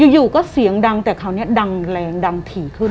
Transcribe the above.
อยู่ก็เสียงดังแต่คราวนี้ดังแรงดังถี่ขึ้น